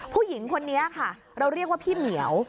ผู้หญิงคนนี้ค่ะเราเรียกว่าพี่เหมียว